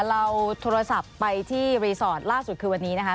เราโทรศัพท์ไปที่รีสอร์ทล่าสุดคือวันนี้นะคะ